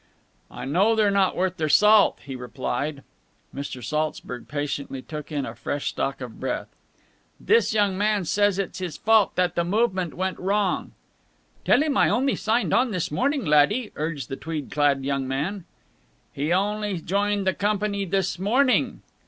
"I know they're not worth their salt!" he replied. Mr. Saltzburg patiently took in a fresh stock of breath. "This young man says it is his fault that the movement went wrong!" "Tell him I only signed on this morning, laddie," urged the tweed clad young man. "He only joined the company this morning!"